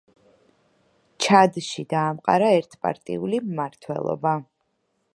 ჩადში დაამყარა ერთპარტიული მმართველობა.